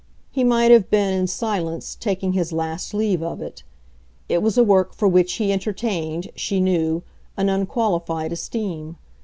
He might have been, in silence, taking his last leave of it; it was a work for which he entertained, she knew, an unqualified esteem.